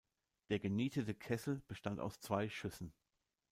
Der genietete Kessel bestand aus zwei Schüssen.